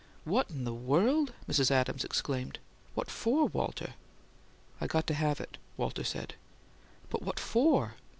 "What in the world!" Mrs. Adams exclaimed. "What FOR, Walter?" "I got to have it," Walter said. "But what FOR?"